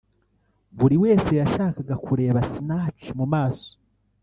buri wese yashakaga kureba Sinach mu maso